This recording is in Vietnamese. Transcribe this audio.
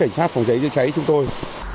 cảnh sát phòng cháy chữa cháy chúng tôi